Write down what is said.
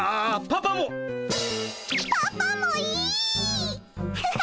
パパもいいっ！